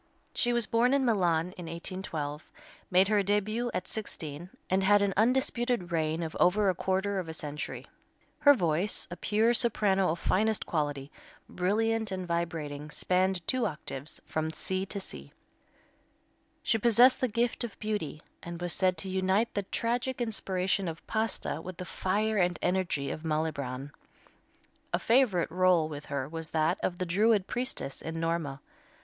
She was born in Milan in 1812, made her début at sixteen, and had an undisputed reign of over a quarter of a century. Her voice, a pure soprano of finest quality, brilliant and vibrating, spanned two octaves, from C to C. She possessed the gift of beauty, and was said to unite the tragic inspiration of Pasta with the fire and energy of Malibran. A favorite rôle with her was that of the Druid priestess in "Norma."